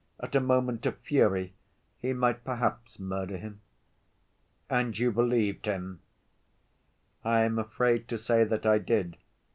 at a moment of fury, he might perhaps murder him." "And you believed him?" "I am afraid to say that I did.